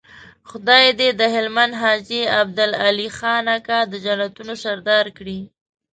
خدای دې د هلمند حاجي عبدالعلي خان اکا د جنتونو سردار کړي.